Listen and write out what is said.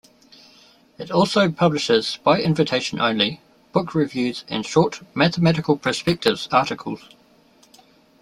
It also publishes, by invitation only, book reviews and short "Mathematical Perspectives" articles.